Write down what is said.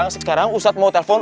sekarang ustadz mau telepon